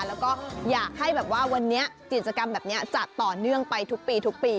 แล้วก็อยากให้วันนี้จิตรกรรมแบบนี้จัดต่อเนื่องไปทุกปี